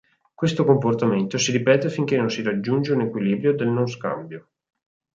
Questo comportamento si ripete finché non si raggiunge un equilibrio del non scambio.